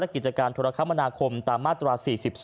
และกิจการธรรมคมตามมาตรา๔๔